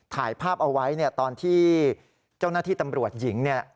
ถ่ายภาพเอาไว้ตอนที่เจ้าหน้าที่ตำรวจหญิง